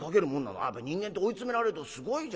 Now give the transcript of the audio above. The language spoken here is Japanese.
やっぱ人間って追い詰められるとすごいじゃない。